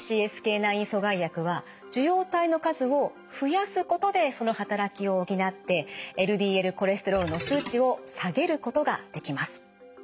９阻害薬は受容体の数を増やすことでその働きを補ってＬＤＬコレステロールの数値を下げることができます。